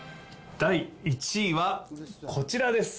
第１位は、こちらです。